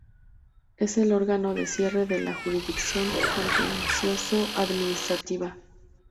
Es el órgano de cierre de la jurisdicción Contencioso Administrativa.